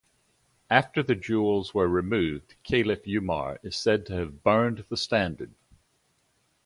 After the jewels were removed, Caliph Umar is said to have burned the standard.